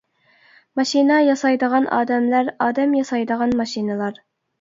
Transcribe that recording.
ماشىنا ياسايدىغان ئادەملەر، ئادەم ياسايدىغان ماشىنىلار.